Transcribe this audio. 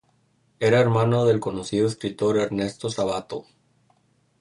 Era hermano del conocido escritor Ernesto Sabato.